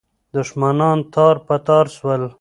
دښمنان تار په تار سول.